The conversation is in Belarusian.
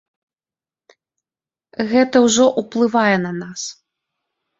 Гэта ўжо ўплывае на нас.